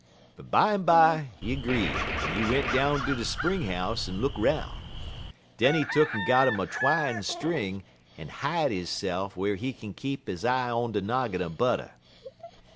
"But bimeby he 'greed, en he went down ter de spring house en look 'roun'. Den he tuck'n got 'im a twine string, en hide hisse'f whar he kin keep he eye on de noggin er butter.